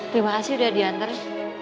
terima kasih udah diantar ya